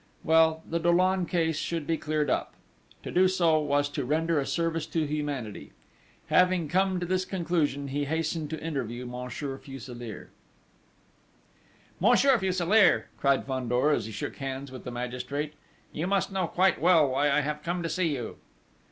Well, the Dollon case should be cleared up!... To do so was to render a service to humanity! Having come to this conclusion he hastened to interview Monsieur Fuselier. "Monsieur Fuselier," cried Fandor as he shook hands with the magistrate, "you must know quite well why I have come to see you!"